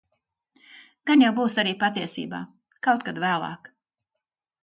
Gan jau būs arī patiesībā. Kaut kad vēlāk.